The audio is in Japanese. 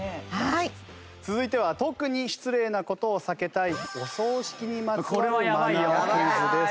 続いては特に失礼な事を避けたいお葬式にまつわるマナークイズです。